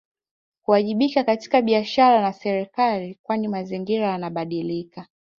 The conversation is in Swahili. Kuwajibika katika biashara na serikalini kwani mazingira yanabadilika